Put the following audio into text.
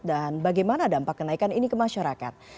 dan bagaimana dampak kenaikan ini ke masyarakat